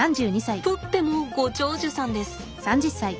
プッペもご長寿さんです。